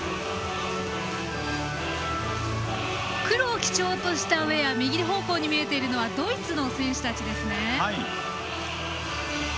黒を基調としたウエア右方向に見えるのはドイツの選手たちですね。